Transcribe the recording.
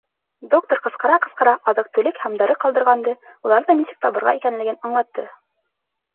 Доктор ҡысҡыра-ҡысҡыра аҙыҡ-түлек һәм дары ҡалдырғанды, уларҙы нисек табырға икәнлеген аңлатты.